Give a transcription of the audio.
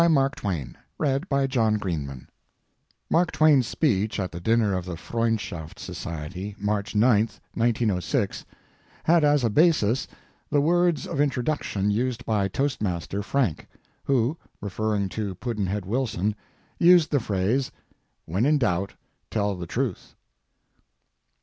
WHEN IN DOUBT, TELL THE TRUTH Mark Twain's speech at the dinner of the "Freundschaft Society," March 9, 1906, had as a basis the words of introduction used by Toastmaster Frank, who, referring to Pudd'nhead Wilson, used the phrase, "When in doubt, tell the truth."